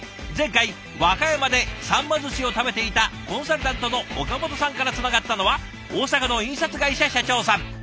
前回和歌山でさんま寿司を食べていたコンサルタントの岡本さんからつながったのは大阪の印刷会社社長さん。